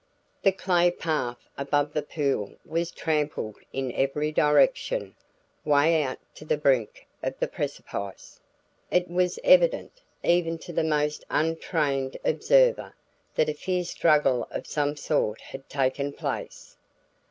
The clay path above the pool was trampled in every direction 'way out to the brink of the precipice; it was evident, even to the most untrained observer, that a fierce struggle of some sort had taken place.